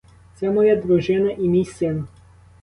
Це моя дружина і мій син!